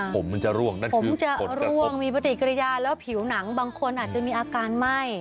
ผมมันจะร่วงนั่นเองผมจะร่วงมีปฏิกิริยาแล้วผิวหนังบางคนอาจจะมีอาการไหม้